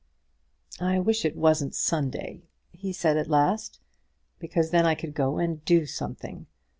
"I wish it wasn't Sunday," he said at last, "because then I could go and do something.